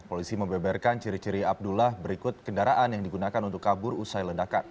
polisi membeberkan ciri ciri abdullah berikut kendaraan yang digunakan untuk kabur usai ledakan